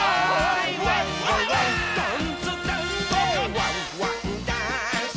「ワンワンダンス！」